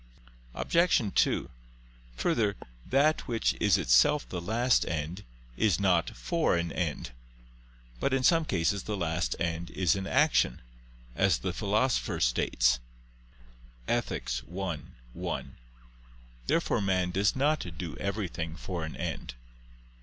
Obj. 2: Further, that which is itself the last end is not for an end. But in some cases the last end is an action, as the Philosopher states (Ethic. i, 1). Therefore man does not do everything for an end.